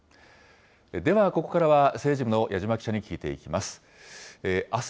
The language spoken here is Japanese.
ではここからは、政治部の矢島記者に聞いていきます。